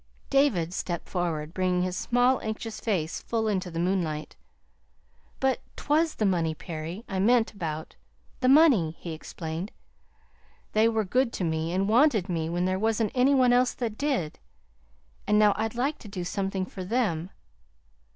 David stepped forward, bringing his small, anxious face full into the moonlight. "But 't was the money, Perry; I meant about, the money," he explained. "They were good to me and wanted me when there wasn't any one else that did; and now I'd like to do something for them.